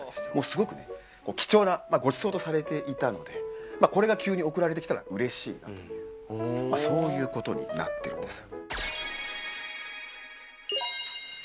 すごく貴重なごちそうとされていたのでこれが急に送られてきたらうれしいなとそういうことになってるんです。